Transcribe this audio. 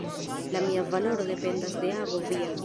La mia valoro dependas de ago via.